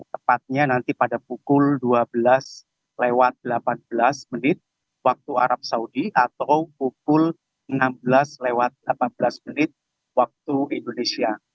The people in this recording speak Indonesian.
tepatnya nanti pada pukul dua belas delapan belas menit waktu arab saudi atau pukul enam belas lewat delapan belas menit waktu indonesia